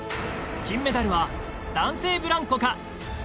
金メダルは男性ブランコか？